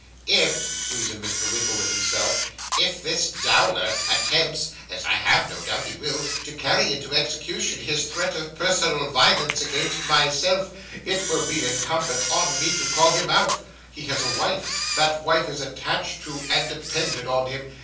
'If,' reasoned Mr. Winkle with himself 'if this Dowler attempts (as I have no doubt he will) to carry into execution his threat of personal violence against myself, it will be incumbent on me to call him out. He has a wife; that wife is attached to, and dependent on him.